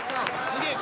すげえ。